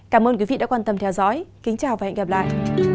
cảm ơn quý vị đã quan tâm theo dõi kính chào và hẹn gặp lại